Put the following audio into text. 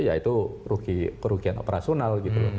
yaitu kerugian operasional gitu